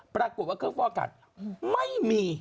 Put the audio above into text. ปรากฏว่าเครื่องฟอกอากาศไม่มี